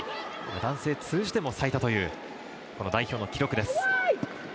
男性を通じても最多という代表の記録です。